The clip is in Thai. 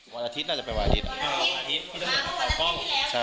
วันอาทิตย์น่าจะเป็นวันอาทิตย์อ่าวันอาทิตย์วันอาทิตย์ที่แล้วใช่